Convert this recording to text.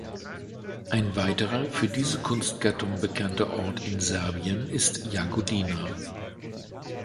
Ein weiterer für diese Kunstgattung bekannter Ort in Serbien ist Jagodina.